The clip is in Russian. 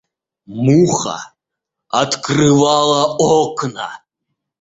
Муха открывала окна.